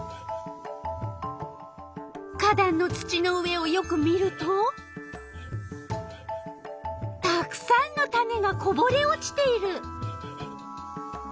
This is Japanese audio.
花だんの土の上をよく見るとたくさんの種がこぼれ落ちている。